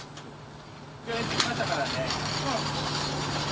病院に着きましたからね。